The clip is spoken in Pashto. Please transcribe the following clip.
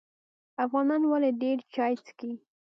افغانان ولې ډیر چای څښي؟